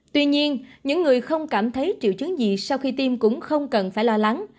tuy nhiên những người không cảm thấy triệu chứng gì sau khi tiêm cũng không cần phải lo lắng